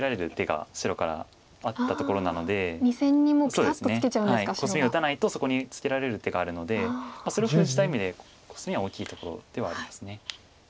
そうですねコスミを打たないとそこにツケられる手があるのでそれを封じた意味でコスミは大きいところではあります。